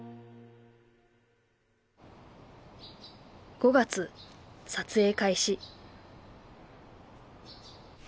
５月撮影開始。